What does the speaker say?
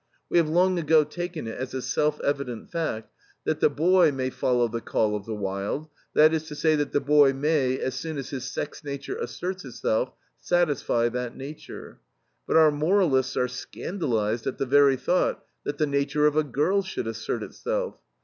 We have long ago taken it as a self evident fact that the boy may follow the call of the wild; that is to say, that the boy may, as soon has his sex nature asserts itself, satisfy that nature; but our moralists are scandalized at the very thought that the nature of a girl should assert itself.